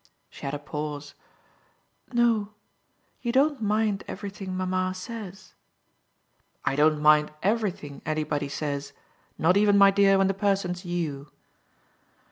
She had a pause. "No you don't mind everything mamma says." "I don't mind 'everything' anybody says: not even, my dear, when the person's you."